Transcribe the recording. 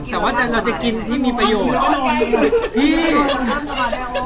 แต่ว่าเราจะกินที่มีประโยชน์